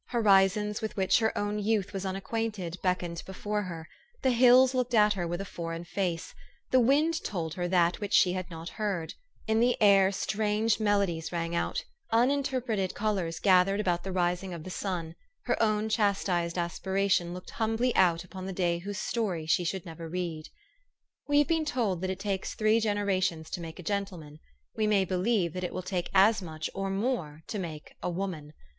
Horizons with which her own youth was unacquainted, beckoned before her ; the hills looked at her with a foreign face ; the wind told her that which she had not heard ; in the air strange melodies rang out; uninterpreted colors gathered about the rising of the sun: her own chastised aspiration looked humbly out upon the day whose story she should never read. We have been told that it takes three generations to make a gentleman : we may believe that it will take as much, or more, to make A WOMAN.